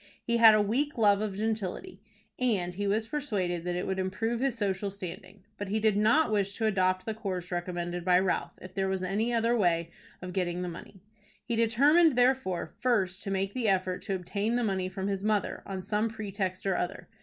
He had a weak love of gentility, and he was persuaded that it would improve his social standing. But he did not wish to adopt the course recommended by Ralph if there was any other way of getting the money. He determined, therefore, first to make the effort to obtain the money from his mother on some pretext or other.